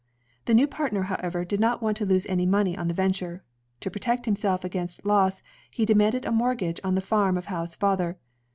The new partner, however, did not want to lose any money on the venture. To protect himself against loss, he demanded a mortgage on the farm of Howe's father.